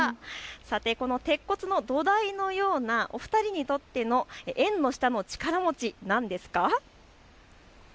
さて、この鉄骨の土台のようなお２人にとっての縁の下の力持ち、何ですか。